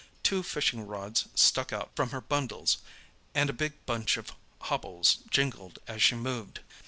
Two fishing rods stuck out from her bundles, and a big bunch of hobbles jingled as she moved.